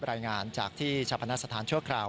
รายงานจากที่จักรพรรณสถานเชื้อกราว